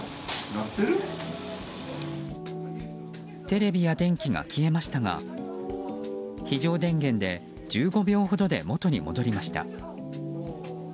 テレビや電気が消えましたが非常電源で１５秒ほどで元に戻りました。